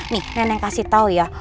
nih nenek kasih tahu ya